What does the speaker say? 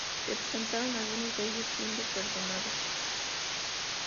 Se presentaron algunos de ellos, siendo perdonados.